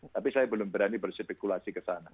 tapi saya belum berani berspekulasi ke sana